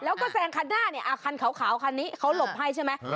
แล้วก็แซงคันหน้าเนี่ยคันขาวคันนี้เขาหลบให้ใช่ไหม